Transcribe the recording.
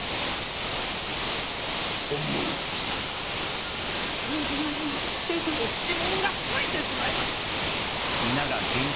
もし本物だとしたら拳銃にシェフの指紋がついてしまいます。